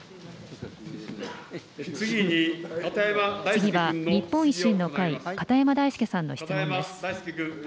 次は日本維新の会、片山大介さんの質問です。